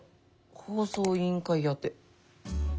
放送委員会宛て。